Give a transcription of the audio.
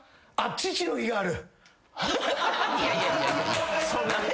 父の日がある！